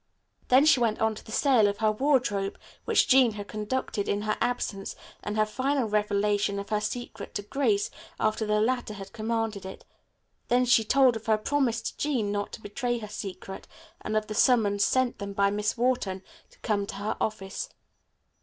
Then she went on to the sale of her wardrobe which Jean had conducted in her absence and her final revelation of her secret to Grace after the latter had commanded it. Then she told of her promise to Jean not to betray her secret and of the summons sent them by Miss Wharton, to come to her office.